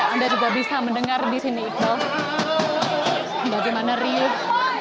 anda juga bisa mendengar di sini iqbal bagaimana riuh